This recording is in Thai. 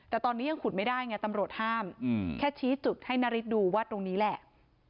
แต่ตอนนี้ยังขุดไม่ได้ไงตำรวจห้ามแค่ชี้จุดให้นาริสดูว่าตรงนี้แหละ